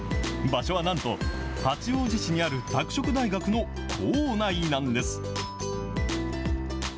場所はなんと、八王子市にある拓殖大学の構内なんです。